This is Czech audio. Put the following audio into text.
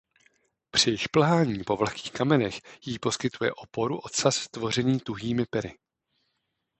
Při šplhání po vlhkých kamenech jí poskytuje oporu ocas tvořený tuhými pery.